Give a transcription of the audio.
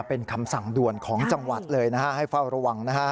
เป็นคำสั่งด่วนของจังหวัดเลยนะฮะให้เฝ้าระวังนะฮะ